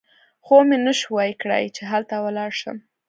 خو ومې نه شوای کړای چې هلته ولاړ شم.